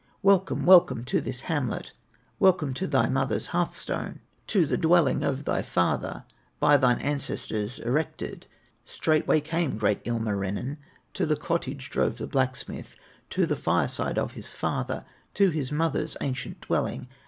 Welcome, welcome, to this hamlet, Welcome to thy mother's hearth stone, To the dwelling of thy father, By thine ancestors erected!" Straightway came great Ilmarinen To his cottage drove the blacksmith, To the fireside of his father, To his mother's ancient dwelling.